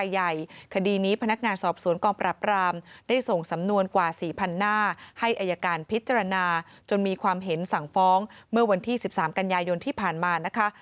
ให้อายการพิจารณาจนมีความเห็นสั่งฟ้องเมื่อวันที่๑๓กันยายนที่ผ่านมานะคะ